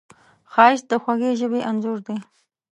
ښایست د خوږې ژبې انځور دی